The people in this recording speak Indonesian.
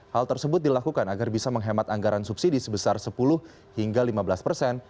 hal tersebut dilakukan agar bisa menghemat anggaran subsidi sebesar sepuluh hingga lima belas persen